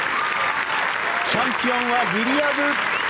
チャンピオンはリリア・ブ。